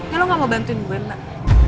ya lo nggak mau bantuin gue mbak